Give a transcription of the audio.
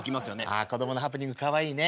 子供のハプニングかわいいね。